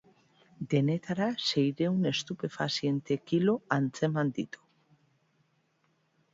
Denetara seiehun estupefaziente kilo atzeman ditu.